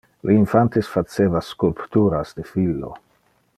Le infantes faceva sculpturas de filo.